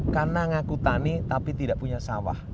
karena ngaku tani tapi tidak punya sawah